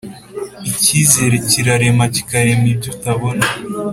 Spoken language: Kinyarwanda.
icyizere kirarema, kikarema ibyo utabona